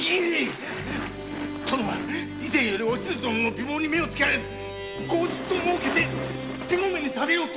殿は以前からおしず殿の美貌に目をつけられ口実を設けて手ごめにされようと